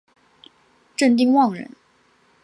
郑丁旺人。